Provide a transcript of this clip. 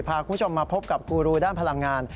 พาคุณผู้ชมมาพบกับกูรูด้านพลังงาน